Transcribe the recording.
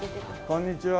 こんにちは。